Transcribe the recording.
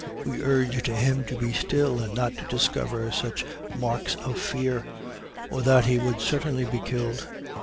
We urged him to be still, and not to discover such marks of fear, or that he would certainly be killed.